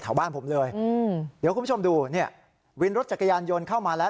บ้านผมเลยอืมเดี๋ยวคุณผู้ชมดูเนี่ยวินรถจักรยานยนต์เข้ามาแล้ว